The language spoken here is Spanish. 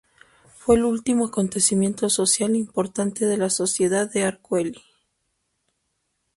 Fue el último acontecimiento social importante de la Sociedad de Arcueil.